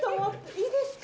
いいですか？